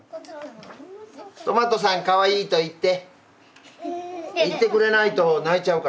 とまとさんかわいいと言って言ってくれないと泣いちゃうから。